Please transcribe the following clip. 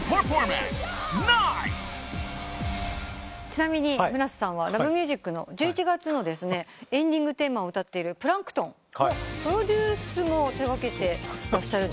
ちなみに村瀬さんは『Ｌｏｖｅｍｕｓｉｃ』の１１月のエンディングテーマを歌っているプランクトンのプロデュースも手掛けてらっしゃる。